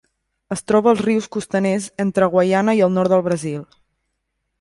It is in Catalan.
Es troba als rius costaners entre Guaiana i el nord del Brasil.